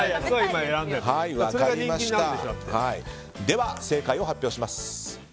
では正解を発表します。